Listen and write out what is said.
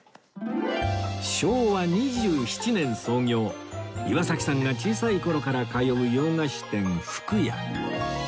昭和２７年創業岩崎さんが小さい頃から通う洋菓子店冨久家